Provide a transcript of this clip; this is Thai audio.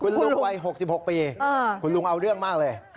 คุณลุงวัย๖๖ปีคุณลุงเอาเรื่องมากเลย